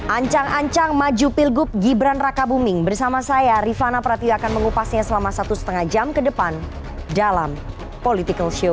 ancang ancang maju pilgub gibran raka buming bersama saya rifana prati akan mengupasnya selama satu lima jam ke depan dalam political show